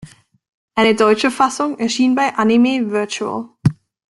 Eine deutsche Fassung erschien bei Anime-Virtual.